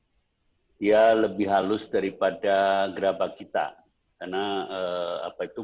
hai terbuat dari grabah ya yang tahan panas dia lebih halus daripada grabah kita karena apa itu